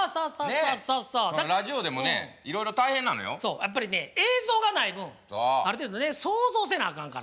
やっぱりね映像がない分ある程度想像せなあかんから。